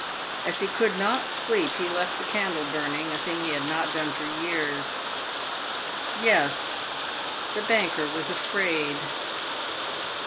As he could not sleep, he left the candle burning, a thing he had not done for years. Yes, the banker was afraid.